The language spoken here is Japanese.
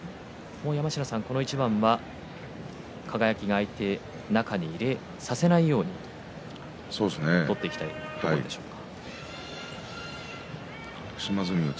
この一番は輝が相手を中に入れさせないように取っていきたいところでしょうか。